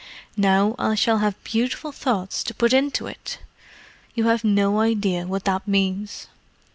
"Now I shall have beautiful thoughts to put into it! You have no idea what that means.